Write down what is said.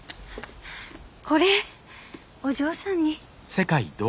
これお嬢さんに。